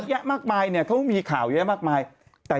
ต้องมีแต่คนในโซเชียลว่าถ้ามีข่าวแบบนี้บ่อยทำไมถึงเชื่อขนาดใด